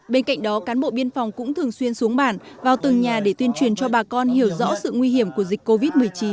bên cạnh đó cán bộ biên phòng cũng thường xuyên xuống bản vào từng nhà để tuyên truyền cho bà con hiểu rõ sự nguy hiểm của dịch covid một mươi chín